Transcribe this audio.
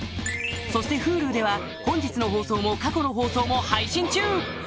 そしてＨｕｌｕでは本日の放送も過去の放送も配信中